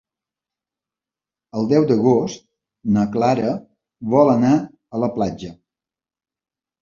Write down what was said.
El deu d'agost na Clara vol anar a la platja.